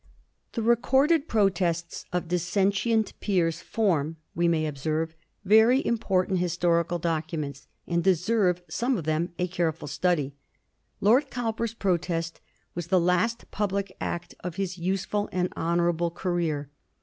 The recorded protests of dissentient peers form, we may observe, very important historical documents, and deserve, some of them, a carefiil study. Lord €owper's protest was the last public act of his usefiil and honourable career.